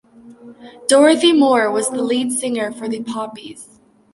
Dorothy Moore was the lead singer for The Poppies.